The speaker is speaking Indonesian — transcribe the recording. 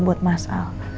buat mas al